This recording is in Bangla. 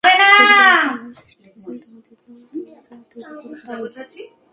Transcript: প্রকৃত পক্ষে আল্লাহই সৃষ্টি করেছেন তোমাদেরকে এবং তোমরা যা তৈরি কর তাও।